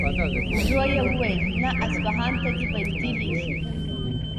ورو يې وويل: نه! اصفهان ته دې بندې لېږي.